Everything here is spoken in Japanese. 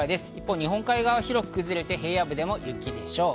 日本海側は広く崩れて、平野部でも雪でしょう。